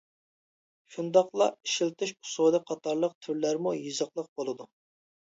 شۇنداقلا ئىشلىتىش ئۇسۇلى قاتارلىق تۈرلەرمۇ يېزىقلىق بولىدۇ.